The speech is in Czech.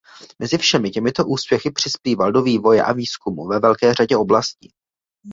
Mezi všemi těmito úspěchy přispíval do vývoje a výzkumu ve velké řadě oblastí.